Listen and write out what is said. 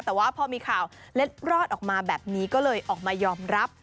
แต่ว่าพอมีข่าวเล็ดรอดออกมาแบบนี้ก็เลยออกมายอมรับ